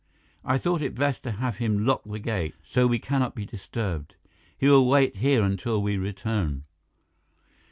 I thought it best to have him lock the gate, so we cannot be disturbed. He will wait here until we return."